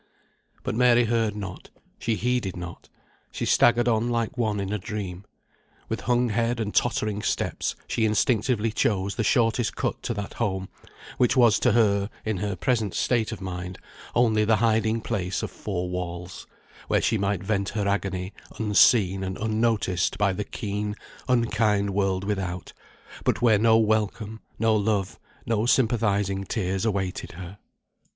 But Mary heard not, she heeded not. She staggered on like one in a dream. With hung head and tottering steps, she instinctively chose the shortest cut to that home, which was to her, in her present state of mind, only the hiding place of four walls, where she might vent her agony, unseen and unnoticed by the keen, unkind world without, but where no welcome, no love, no sympathising tears awaited her.